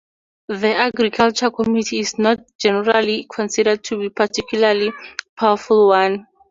The Agriculture Committee is not generally considered to be a particularly powerful one.